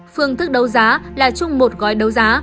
phương thức đấu giá là chung một gói đấu giá